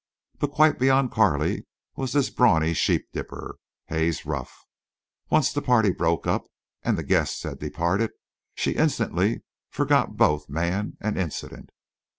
But quite beyond Carley was this brawny sheep dipper, Haze Ruff. Once the party broke up and the guests had departed, she instantly forgot both man and incident.